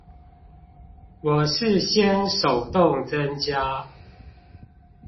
我是先手動增加